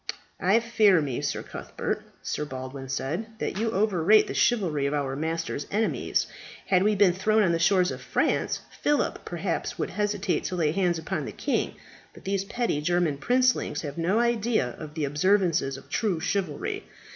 "I fear me, Sir Cuthbert," Sir Baldwin said, "that you overrate the chivalry of our master's enemies. Had we been thrown on the shores of France, Philip perhaps would hesitate to lay hands upon the king; but these petty German princelings have no idea of the observances of true chivalry.